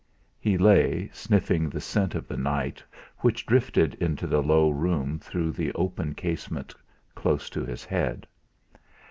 He lay, sniffing the scent of the night which drifted into the low room through the open casement close to his head.